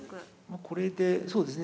これでそうですね